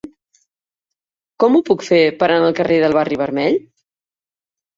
Com ho puc fer per anar al carrer del Barri Vermell?